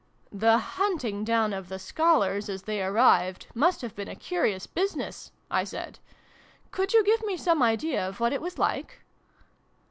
" That hunting down of the scholars, as they arrived, must have been a curious business," I said. " Could you give me some idea of what it was like